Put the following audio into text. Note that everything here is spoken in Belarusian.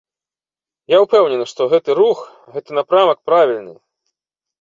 Я ўпэўнены, што гэты рух, гэты напрамак правільны.